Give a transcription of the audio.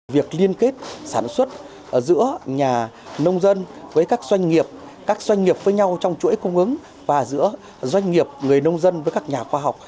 việc liên kết sản xuất giữa nhà nông dân với các doanh nghiệp các doanh nghiệp với nhau trong chuỗi cung ứng và giữa doanh nghiệp người nông dân với các nhà khoa học